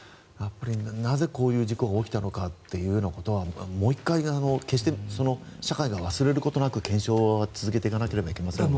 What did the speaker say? なぜこういう事故が起きたのかというようなことはもう１回決して社会が忘れることなく検証は続けていかなければいけませんよね。